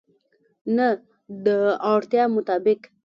نه، د اړتیا مطابق